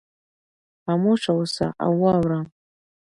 خاموشه اوسه او واوره.